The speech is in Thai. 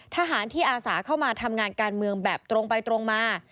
ทหารที่อาสาเข้ามาทำงานการเมืองแบบตรงไปตรงมา